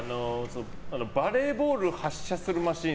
バレーボール発射するマシン